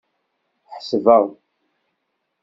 Ḥesbeɣ.